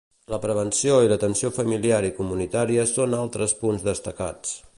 La prevenció i l'atenció familiar i comunitària són altres punts destacats.